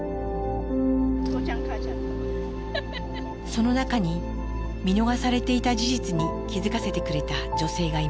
その中に見逃されていた事実に気付かせてくれた女性がいます。